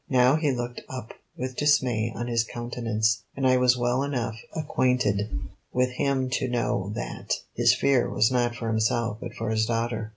Now he looked up with dismay on his countenance, and I was well enough acquainted with him to know that his fear was not for himself but for his daughter.